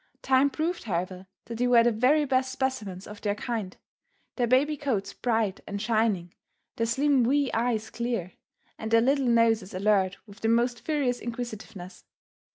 Time proved however that they were the very best specimens of their kind, their baby coats bright and shining, their slim wee eyes clear, and their little noses alert with the most furious inquisitiveness.